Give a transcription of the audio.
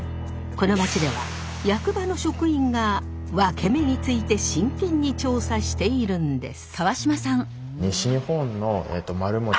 この町では役場の職員がワケメについて真剣に調査しているんです。